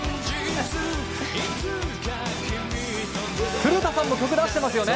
古田さんも曲出してますよね。